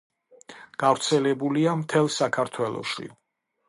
გავრცელებულია მთელ საქართველოში.